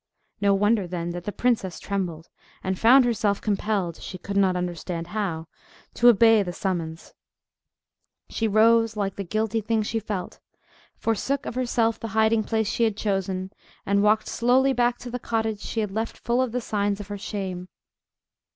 No wonder then that the princess trembled, and found herself compelled, she could not understand how, to obey the summons. She rose, like the guilty thing she felt, forsook of herself the hiding place she had chosen, and walked slowly back to the cottage she had left full of the signs of her shame.